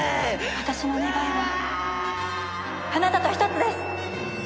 私の願いはあなたと一つです！